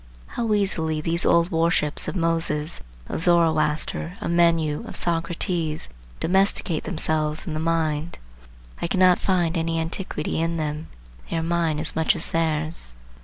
How easily these old worships of Moses, of Zoroaster, of Menu, of Socrates, domesticate themselves in the mind. I cannot find any antiquity in them. They are mine as much as theirs.